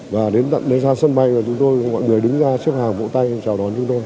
và đến ra sân bay rồi chúng tôi mọi người đứng ra xếp hàng vỗ tay chào đón chúng tôi